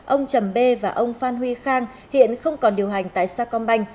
ông trầm bê và ông phan huy khang hiện không còn điều hành tại sa công banh